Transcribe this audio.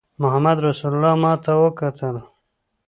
محمدرسول ماته وکتل.